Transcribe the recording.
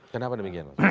kenapa demikian pak